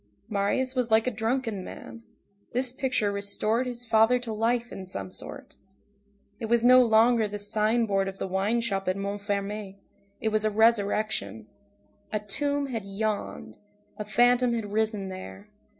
Marius was like a drunken man; this picture restored his father to life in some sort; it was no longer the signboard of the wine shop at Montfermeil, it was a resurrection; a tomb had yawned, a phantom had risen there.